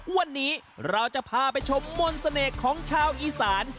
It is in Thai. วันนี้เราจะพาไปชมมนต์เสน่ห์ของชาวอีสาน